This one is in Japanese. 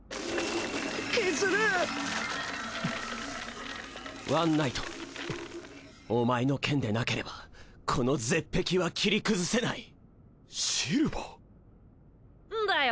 ケズルワンナイトお前の剣でなければこのゼッペキは切り崩せないシルヴァーんだよ